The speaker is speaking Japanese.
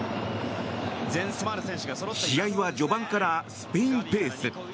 試合は序盤からスペインペース。